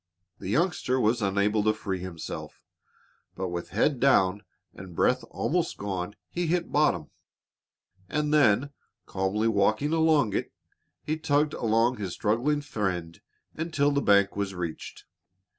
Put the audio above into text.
The youngster was unable to free himself, but with head down and breath almost gone, he hit bottom, and then, calmly walking along it, he tugged along his struggling friend until the bank was reached.